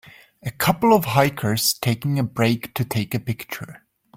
A couple of hikers taking a break to take a picture.